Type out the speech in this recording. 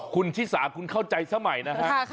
คุณชิสาคุณเข้าใจสมัยนะฮะ